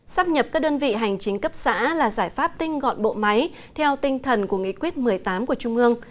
sắp nhập các đơn vị hành chính cấp xã là giải pháp tinh gọn bộ máy theo tinh thần của nghị quyết một mươi tám của trung ương